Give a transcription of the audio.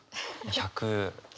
１００！